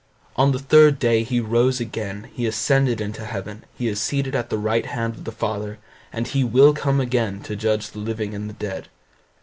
On the third day he rose again; he ascended into heaven, he is seated at the right hand of the Father, and he will come again to judge the living and the dead.